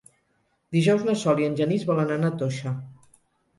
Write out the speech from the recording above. Dijous na Sol i en Genís volen anar a Toixa.